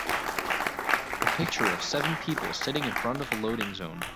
A picture of seven people sitting in front of a loading zone.